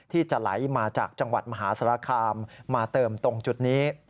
ที่จะไหลมาจากจังหวัดมหาสารคามมาเติมตรงจุดนี้